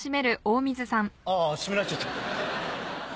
あぁ閉められちゃった。